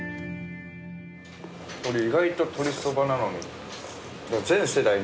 意外と鶏そばなのに。